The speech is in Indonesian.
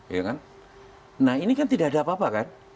ya kan nah ini kan tidak ada apa apa kan